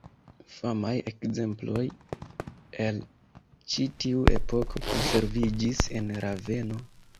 Famaj ekzemploj el ĉi tiu epoko konserviĝis en Raveno.